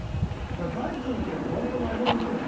凱君ってホント投げにくいんだね。